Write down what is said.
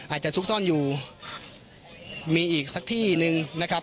ซุกซ่อนอยู่มีอีกสักที่หนึ่งนะครับ